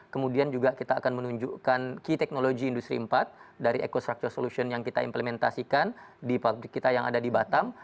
kemudian juga kita akan menunjukkan key technology industri empat dari eco structure solution yang kita implementasikan di pabrik kita yang ada di batam